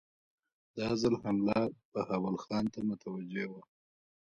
دا ځل حمله بهاول خان ته متوجه وه.